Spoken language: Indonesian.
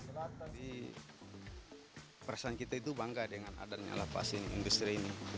jadi perasaan kita itu bangga dengan adanya lapas ini industri ini